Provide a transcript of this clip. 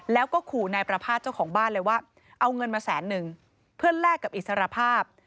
แล้วก็ขู่นายประภาษณ์เจ้าของบ้านเลยว่าเอาเงินมาแสนนึงเพื่อแลกกับอิสรภาพ